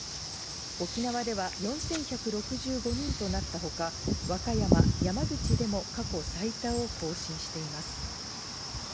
沖縄では４１６５人となったほか、和歌山、山口でも過去最多を更新しています。